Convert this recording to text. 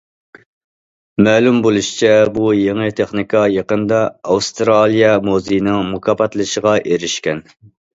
مەلۇم بولۇشىچە، بۇ يېڭى تېخنىكا يېقىندا ئاۋسترالىيە موزىيىنىڭ مۇكاپاتلىشىغا ئېرىشكەن.